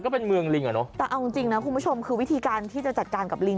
ก็เป็นเมืองลิงอ่ะเนอะแต่เอาจริงจริงนะคุณผู้ชมคือวิธีการที่จะจัดการกับลิง